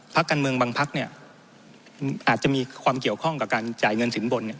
ภาคการเมืองบางภาคเนี้ยอาจจะมีความเกี่ยวข้องกับการจ่ายเงินสินบนเนี้ย